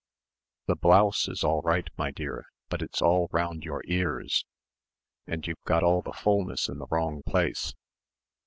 "The blouse is all right, my dear, but it's all round your ears and you've got all the fulness in the wrong place.